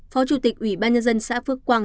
phó chủ tịch ủy ban nhân dân xã phước quang